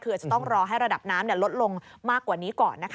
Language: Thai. คืออาจจะต้องรอให้ระดับน้ำลดลงมากกว่านี้ก่อนนะคะ